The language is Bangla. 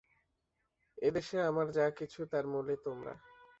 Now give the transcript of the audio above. এ দেশে আমার যা কিছু, তার মূলে তোমরা।